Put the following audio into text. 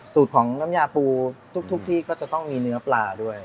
สูตรของน้ำยาปูทุกที่ก็จะต้องมีเนื้อปลาด้วย